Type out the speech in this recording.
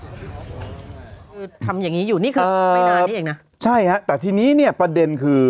คือทำอย่างงี้อยู่นี่คือไม่นานนี้เองนะใช่ฮะแต่ทีนี้เนี่ยประเด็นคือ